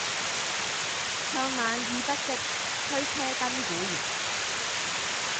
向晚意不適，驅車登古原。